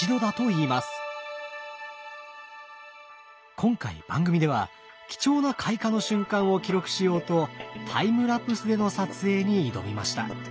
今回番組では貴重な開花の瞬間を記録しようとタイムラプスでの撮影に挑みました。